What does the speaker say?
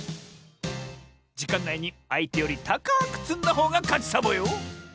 じかんないにあいてよりたかくつんだほうがかちサボよ！